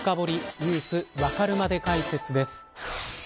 Ｎｅｗｓわかるまで解説です。